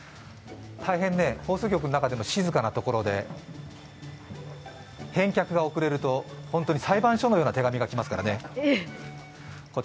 大変放送局の中でも静かなところで返却が送れると本当に裁判所のような手紙が来ますからね。